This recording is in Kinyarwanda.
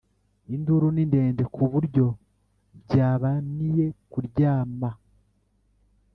Induru ni ndende kuburyo byabaniye ku ryama